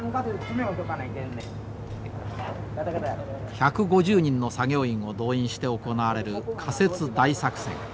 １５０人の作業員を動員して行われる架設大作戦。